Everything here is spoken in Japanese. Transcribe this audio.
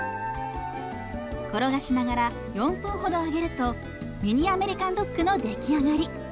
転がしながら４分ほど揚げるとミニアメリカンドッグの出来上がり。